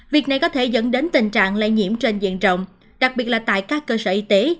việc này có thể dẫn đến tình trạng lây nhiễm trên diện rộng đặc biệt là tại các cơ sở y tế